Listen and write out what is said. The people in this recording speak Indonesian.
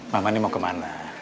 mama nih mau kemana